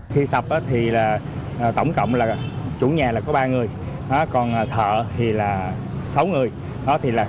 khi sập thì tổng cộng là chủ nhà là có ba người còn thợ thì là sáu người